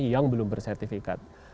yang belum bersertifikat